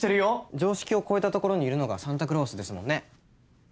常識を超えたところにいるのがサンタクロースですもんね？